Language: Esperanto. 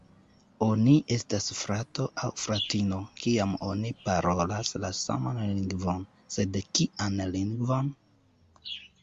Oni estas frato aŭ fratino, kiam oni parolas la saman lingvon, sed kian lingvon?